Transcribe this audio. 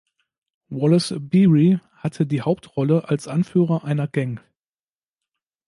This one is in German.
Wallace Beery hatte die Hauptrolle als Anführer einer Gang.